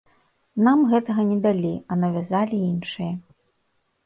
Нам гэтага не далі, а навязалі іншае.